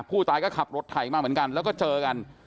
ผู้ตายก็ขับรถไถมาเหมือนกันแล้วก็เจอกัน